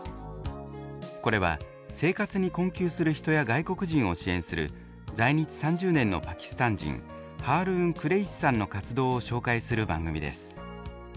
これは生活に困窮する人や外国人を支援する在日３０年のパキスタン人ハールーン・クレイシさんの活動を紹介する番組です。